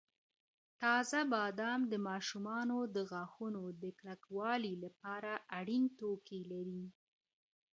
تازه بادام د ماشومانو د غاښونو د کلکوالي لپاره اړین توکي لري.